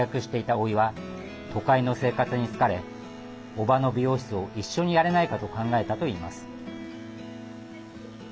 おいは都会の生活に疲れおばの美容室を、一緒にやれないかと考えたといいます。